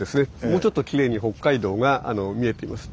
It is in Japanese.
もうちょっときれいに北海道が見えています。